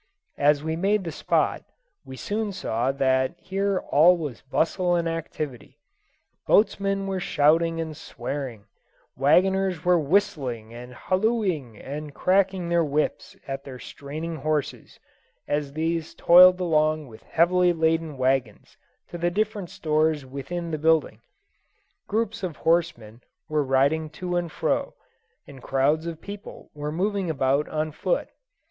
As we made the spot, we soon saw that here all was bustle and activity. Boatmen were shouting and swearing; wagoners were whistling and hallooing and cracking their whips at their straining horses, as these toiled along with heavily laden wagons to the different stores within the building; groups of horsemen were riding to and fro, and crowds of people were moving about on foot.